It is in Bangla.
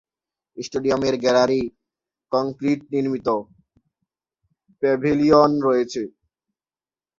স্টেডিয়ামের গ্যালারি কংক্রিট নির্মিত, প্যাভিলিয়ন রয়েছে।